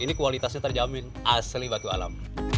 ini kualitasnya terjamin asli batu alam